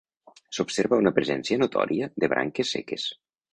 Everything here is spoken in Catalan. S'observa una presència notòria de branques seques.